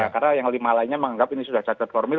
karena yang lima lainnya menganggap ini sudah cacat formil